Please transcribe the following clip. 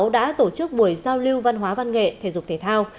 đã tổ chức buổi giao lưu văn hóa văn nghệ thể dục thể thao